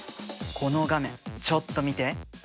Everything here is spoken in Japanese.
この画面ちょっと見て。